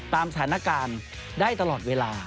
ตามสถานการณ์ได้ตลอดเวลา